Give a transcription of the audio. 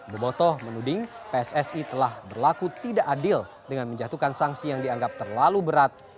bobotoh menuding pssi telah berlaku tidak adil dengan menjatuhkan sanksi yang dianggap terlalu berat